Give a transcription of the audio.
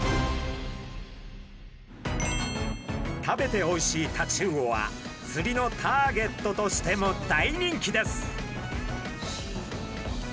食べておいしいタチウオはつりのターゲットとしても大人気です。